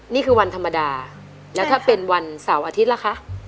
นี่คือวันธรรมดาแล้วถ้าเป็นวันเสาร์อาทิตย์ล่ะคะ